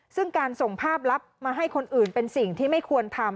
ซึ่งการส่งภาพลับมาให้คนอื่นเป็นสิ่งที่ไม่ควรทำ